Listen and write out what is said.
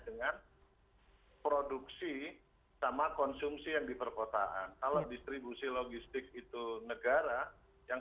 dengan produksi sama konsumsi yang di perkotaan kalau distribusi logistik itu negara yang